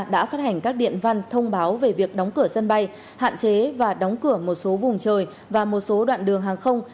đã phát hành các điện văn thông báo về việc đóng cửa sân bay hạn chế và đóng cửa một số vùng trời và một số đoạn đường hàng không